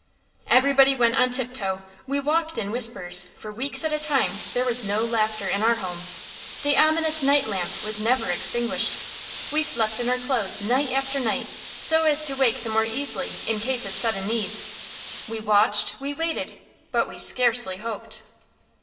Everybody went on tiptoe; we talked in whispers; for weeks at a time there was no laughter in our home. The ominous night lamp was never extinguished. We slept in our clothes night after night, so as to wake the more easily in case of sudden need. We watched, we waited, but we scarcely hoped.